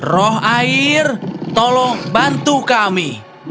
roh air tolong bantu kami